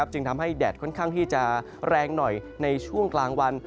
จึงทำให้แดดค่อนข้างที่จะแรงหน่อยในช่วงกลางวัน